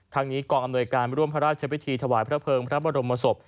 นี้กองอำนวยการร่วมพระราชพิธีถวายพระเภิงพระบรมศพ